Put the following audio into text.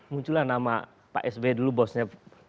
munculan nama pak s b dulu bosnya